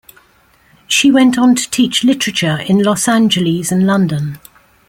She.went on to teach literature in Los Angeles and London.